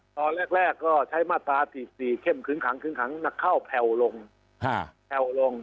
ตอนแรกก็ใช้มาตราสี่สี่เข้มขึ้นขังขึ้นขังนักเข้าแผ่วลงฮ่า